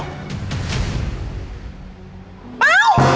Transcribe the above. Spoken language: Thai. เปล่า